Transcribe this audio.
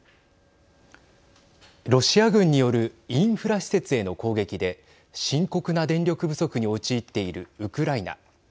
ロシア軍によるインフラ施設への攻撃で深刻な電力不足に陥っているウクライナ。